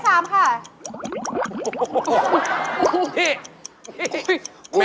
หมายได้๓ค่ะ